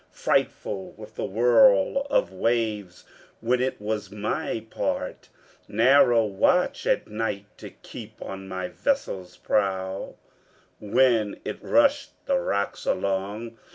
Frightful was the whirl of waves when it was my part Narrow watch at night to keep on my Vessel's prow When it rushed the rocks along.